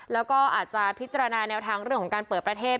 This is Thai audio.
แล้วก็อาจจะพิจารณาแนวทางเรื่องของการเปิดประเทศ